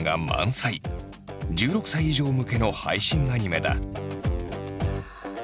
１６歳以上向けの配信アニメだ。